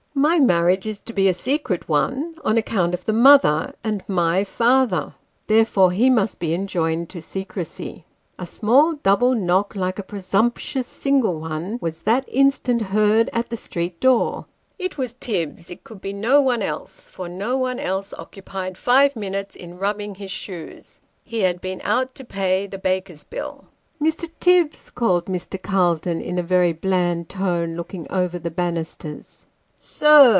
My marriage is to be a secret one, on account of the mother and my father ; therefore he must be enjoined to secrecy." A small double knock, like a presumptuous single one, was that Mr. Calton in an unpleasant Situation, 215 instant heard at the street door. It was Tibbs ; it could he no one else ; for no one else occupied five minutes in rubbing his shoes. He had been out to pay the baker's bill. " Mr. Tibbs," called Mr. Calton in a very bland tone, looking over 'the banisters. " Sir